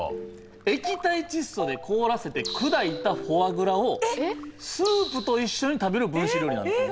液体窒素で凍らせて砕いたフォアグラをスープと一緒に食べる分子料理なんです。